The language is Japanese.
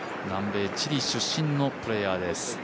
南米チリ出身のプレーヤーです。